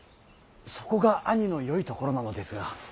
そこが兄のよいところなのですが。